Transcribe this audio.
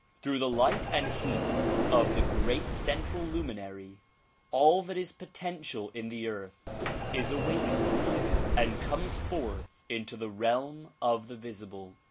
Through the light and heat of the great central luminary, all that is potential in the earth is awakened and comes forth into the realm of the visible.